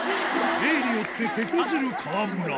例によっててこずる川村。